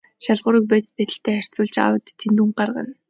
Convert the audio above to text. Шалгууруудыг бодит байдалтай харьцуулж аудитын дүнг гаргана.